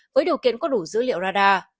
với điều kiện có đủ dữ liệu radar